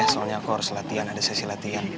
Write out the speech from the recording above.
soalnya aku harus latihan ada sesi latihan